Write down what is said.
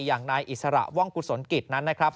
อย่างนายอิสระว่องกุศลกิจนั้นนะครับ